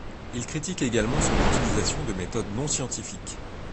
Il critique également son utilisation de méthodes non scientifiques.